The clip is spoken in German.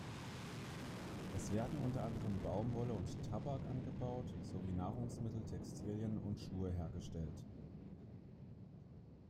Es werden unter anderem Baumwolle und Tabak angebaut sowie Nahrungsmittel, Textilien und Schuhe hergestellt.